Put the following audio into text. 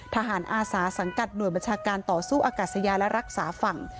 อาสาสังกัดหน่วยบัญชาการต่อสู้อากาศยาและรักษาฝั่ง